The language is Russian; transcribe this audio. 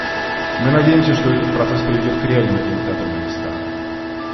Мы надеемся, что этот процесс приведет к реальным результатам на местах.